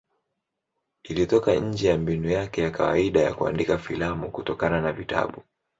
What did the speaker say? Ilitoka nje ya mbinu yake ya kawaida ya kuandika filamu kutokana na vitabu.